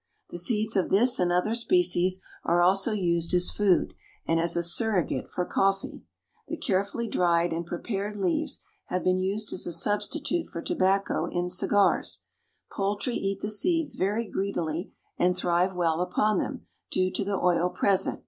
The seeds of this and other species are also used as food, and as a surrogate for coffee. The carefully dried and prepared leaves have been used as a substitute for tobacco in cigars. Poultry eat the seeds very greedily and thrive well upon them, due to the oil present.